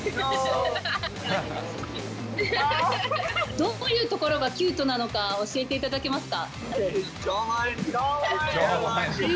どういうところがキュートなのか、教えていただけますか？